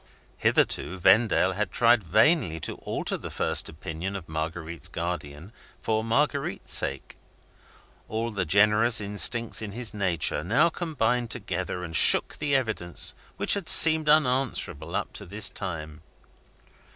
Hitherto Vendale had tried vainly to alter his first opinion of Marguerite's guardian, for Marguerite's sake. All the generous instincts in his nature now combined together and shook the evidence which had seemed unanswerable up to this time.